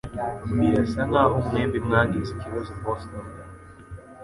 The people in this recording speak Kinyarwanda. Birasa nkaho mwembi mwagize ikibazo i Boston